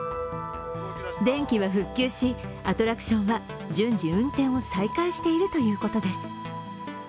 電気は復旧しアトラクションは順次運転を再開しているということです。